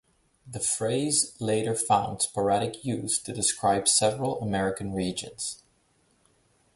The phrase later found sporadic use to describe several American regions.